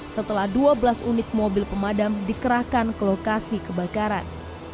setelah dua belas unit mobil pemadam dikerahkan ke lokasi kebakaran